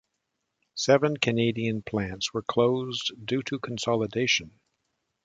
Seven Canadian plants were closed due to consolidation.